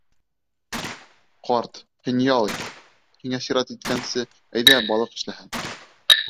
Ҡарт, һин ял ит. һиңә сират еткәнсе, әйҙә, балыҡ эшләһен.